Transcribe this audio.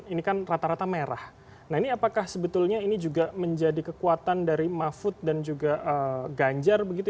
ini kan rata rata merah nah ini apakah sebetulnya ini juga menjadi kekuatan dari mahfud dan juga ganjar begitu